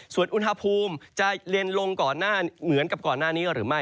ส่วนอุณหภูมิจะเย็นลงก่อนหน้าเหมือนกับก่อนหน้านี้หรือไม่